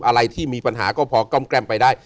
อะไรที่มีปัญหาก็พอกล้อมแกล้มไปได้